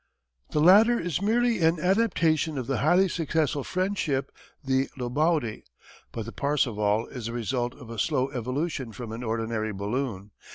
The latter is merely an adaptation of the highly successful French ship the Lebaudy, but the Parseval is the result of a slow evolution from an ordinary balloon.